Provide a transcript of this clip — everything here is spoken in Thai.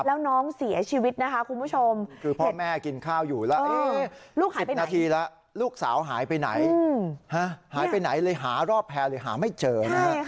เล่นน้ำอยู่ตรงแพนนั่นเนี่ย